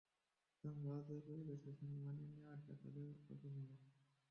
সুতরাং ভারতের পরিবেশের সঙ্গে মানিয়ে নেওয়াটা তাদের জন্য কঠিন হবে না।